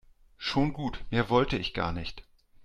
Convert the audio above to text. Schon gut, mehr wollte ich gar nicht.